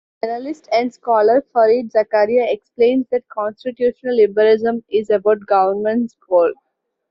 The journalist and scholar Fareed Zakaria explains that constitutional liberalism is about government's goals.